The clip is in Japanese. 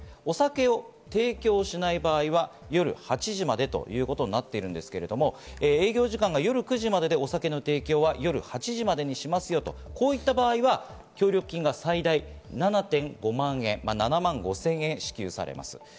お酒を提供しない場合は夜８時までということになっているんですけれども、営業時間が夜９時までで、お酒の提供は夜８時までにしますよと言った場合、協力金は最大７．５万円支給されます。